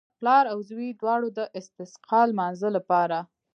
پلار او زوی دواړو د استسقا لمانځه لپاره.